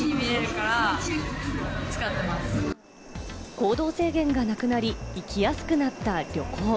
行動制限がなくなり、行きやすくなった旅行。